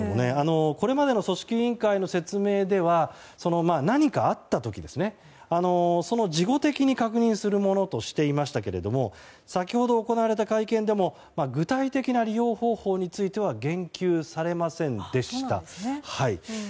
これまでの組織委員会の説明では何かあった時、事後的に確認するものとしていましたが先ほど行われた会見でも具体的な利用方法については言及されませんでした。